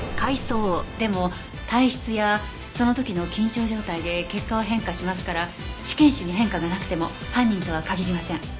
でも体質やその時の緊張状態で結果は変化しますから試験紙に変化がなくても犯人とは限りません。